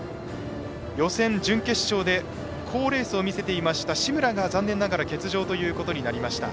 予選準決勝で好レースを見せていました紫村が、残念ながら欠場となりました。